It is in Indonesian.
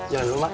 jalan dulu mak